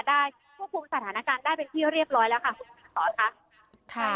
ได้ควบคุมสถานการณ์ได้เป็นที่เรียบร้อยแล้วค่ะคุณสอนค่ะ